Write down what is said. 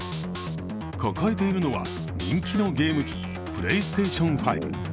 抱えているのは人気のゲーム機プレイステーション５。